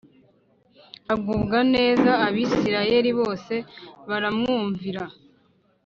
agubwa neza Abisirayeli bose baramwumvira